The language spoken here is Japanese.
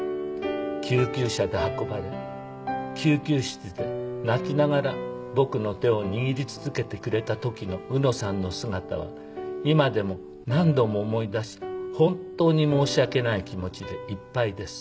「救急車で運ばれ救急室で泣きながら僕の手を握り続けてくれた時のうのさんの姿は今でも何度も思い出し本当に申し訳ない気持ちでいっぱいです」